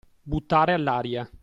Buttare all'aria.